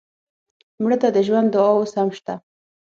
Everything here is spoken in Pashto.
مړه ته د ژوند دعا اوس هم شته